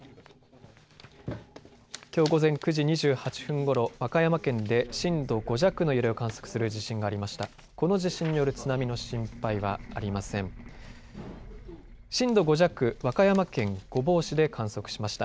きょう午前９時２８分ごろ、和歌山県で震度５弱の揺れを観測する地震がありました。